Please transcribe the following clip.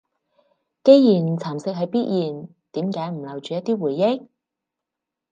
既然蠶蝕係必然，點解唔留住一啲回憶？